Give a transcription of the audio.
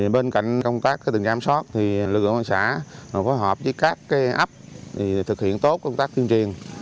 bên cạnh công tác tình trạng kiểm soát lực lượng công an xã phối hợp với các ấp thực hiện tốt công tác tiên triền